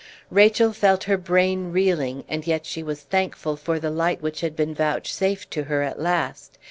Rachel felt her brain reeling; and yet she was thankful for the light which had been vouchsafed to her at last.